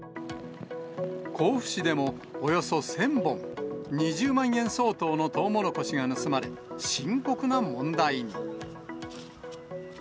甲府市でも、およそ１０００本、２０万円相当のトウモロコシが盗まれ、深刻な問題に。